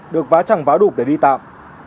được vá chẳng vá đụp để đi tạm